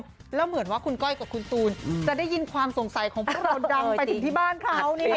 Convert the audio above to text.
แล้วเหมือนว่าคุณก้อยกับคุณตูนจะได้ยินความสงสัยของพวกเราดังไปถึงที่บ้านเขา